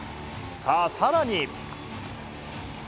さあ、さらに。